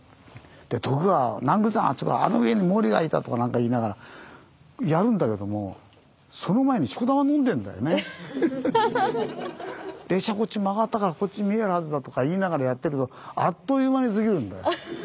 で徳川南宮山あの上に毛利がいたとかなんか言いながらやるんだけどもその前に列車こっち曲がったからこっち見えるはずだとか言いながらやってるとあっという間に過ぎるんだよ。